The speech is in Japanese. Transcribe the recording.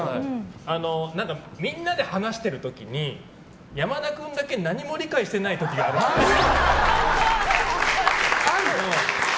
みんなで話している時に山田君だけ何も理解してない時があるっぽい。